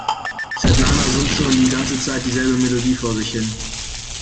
Svetlana summt schon die ganze Zeit dieselbe Melodie vor sich hin.